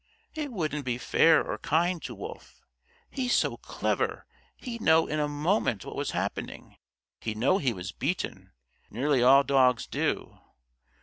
It wouldn't be fair or kind to Wolf. He's so clever, he'd know in a moment what was happening. He'd know he was beaten. Nearly all dogs do.